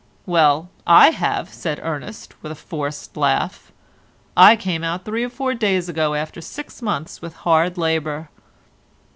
"Well, I have," said Ernest, with a forced laugh, "I came out three or four days ago after six months with hard labour."